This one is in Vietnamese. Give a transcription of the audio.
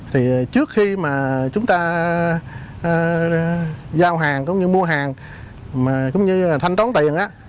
thì trước khi mà chúng ta giao hàng cũng như mua hàng cũng như là thanh toán tiền á